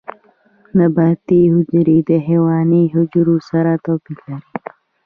نباتي حجرې د حیواني حجرو سره توپیر لري